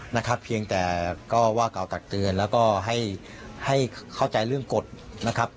นะครับเพียงแต่ก็ว่ากล่าวตักเตือนแล้วก็ให้ให้เข้าใจเรื่องกฎนะครับ